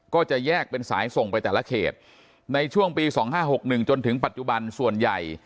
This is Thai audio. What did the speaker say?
ก็จะแยกเป็นสายส่งไปแต่ละเขตในช่วงปี๒๕๖๑จนถึงปัจจุบันส่วนใหญ่